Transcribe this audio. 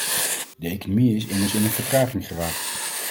De economie is immers in een vertraging geraakt.